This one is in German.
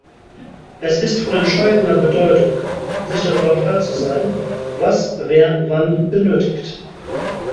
Es ist von entscheidender Bedeutung, sich darüber klar zu sein, was wer wann benötigt.